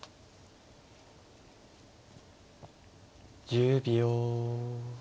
１０秒。